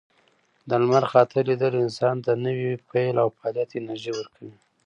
د لمر خاته لیدل انسان ته د نوي پیل او فعالیت انرژي ورکوي.